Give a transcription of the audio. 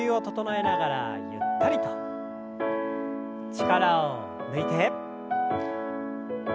力を抜いて。